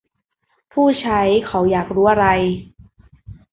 ผู้ใช้เขาอยากรู้อะไร